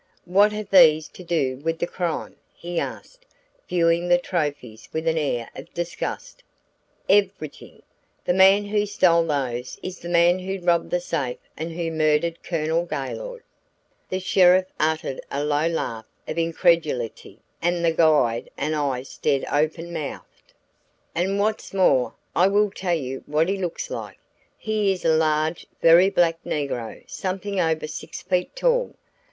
"What have these to do with the crime?" he asked, viewing the trophies with an air of disgust. "Everything. The man who stole those is the man who robbed the safe and who murdered Colonel Gaylord." The sheriff uttered a low laugh of incredulity, and the guide and I stared open mouthed. "And what's more, I will tell you what he looks like. He is a large, very black negro something over six feet tall.